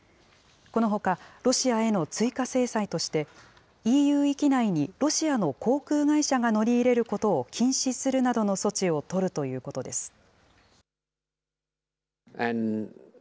このほか、ロシアへの追加制裁として、ＥＵ域内にロシアの航空会社が乗り入れることを禁止するなどの措置を取るということです。